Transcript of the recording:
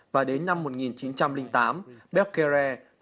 và đến năm một nghìn chín trăm linh tám becker